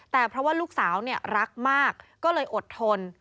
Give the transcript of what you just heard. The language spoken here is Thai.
แต่เพราะว่าลูกสาวรักมากก็เลยอดทน